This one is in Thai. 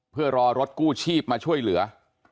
เพื่อรอรถกู้ชีพมาช่วยเหลือ